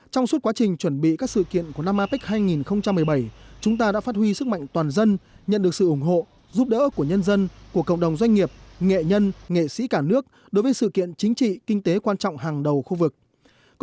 trong suốt quá trình chuẩn bị các sự kiện của năm apec hai nghìn một mươi bảy chúng ta đã phát huy sức mạnh toàn dân nhận được sự ủng hộ giúp đỡ của nhân dân của cộng đồng doanh nghiệp nghệ nhân nghệ sĩ cả nước đối với sự kiện chính trị kinh tế quan trọng hàng đầu khu vực